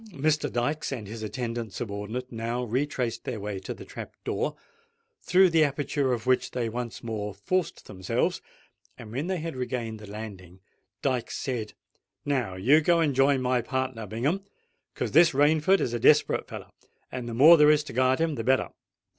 Mr. Dykes and his attendant subordinate now retraced their way to the trap door, through the aperture of which they once more forced themselves; and when they had regained the landing Dykes said, "Now you go and join my partner Bingham, 'cos this Rainford is a desperate feller, and the more there is to guard him the better."